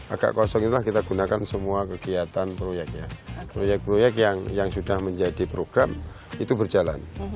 agak kosong itulah kita gunakan semua kegiatan proyeknya proyek proyek yang sudah menjadi program itu berjalan